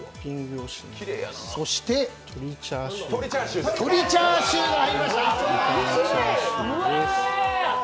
そして鶏チャーシューが入りました。